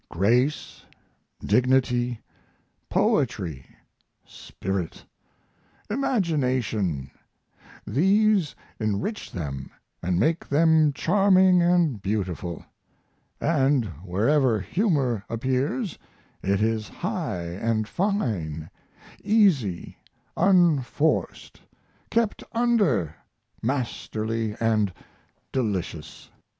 Grace, dignity, poetry, spirit, imagination, these enrich them and make them charming and beautiful; and wherever humor appears it is high and fine easy, unforced, kept under, masterly, and delicious.